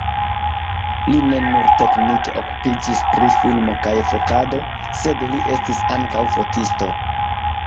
Li ne nur teknike okupiĝis pri filmo kaj fotado, sed li estis ankaŭ fotisto.